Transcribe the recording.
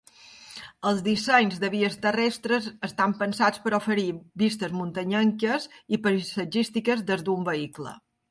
Els dissenys de vies terrestres estan pensats per oferir vistes muntanyenques i pasatgístiques des d'un vehicle.